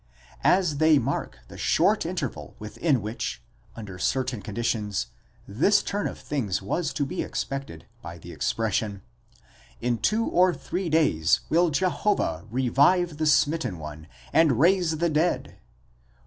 as they mark the short interval within which, under certain conditions, this turn of things was to be expected, 'by the expression: in two or three days will Jehovah revive the smitten one, and raise the dead (Hos.